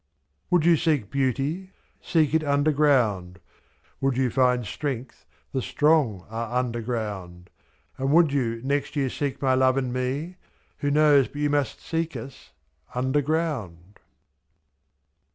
" Would you seek beauty, seek it underground; Would you find strength — the strong are underground; /'J^s"'And would you next year seek my love and me. Who knows but you must seek us — underground?